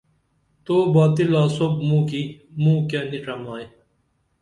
تو باتی لاسوپ موں کی موں کیہ نی چمائی